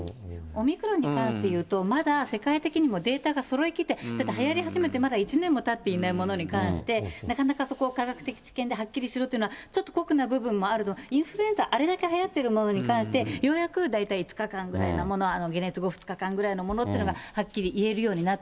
オミクロンに関して言うと、まだ世界的にもデータがそろいきって、はやり始めて、まだ１年もたっていないものに対して、なかなかそこを科学的知見ではっきりするというのはちょっと酷な部分もある、インフルエンザ、あれだけはやっているものに関して、ようやく大体５日間ぐらいのもの、